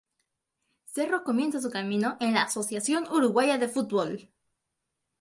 Cerro comienza su camino en la Asociación Uruguaya de Fútbol.